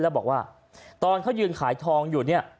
แล้วบอกว่าตอนเขายืนขายทองอยู่เนี่ย